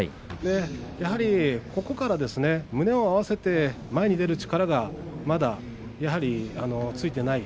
やはりここから胸を合わせて前に出る力がまだついていない。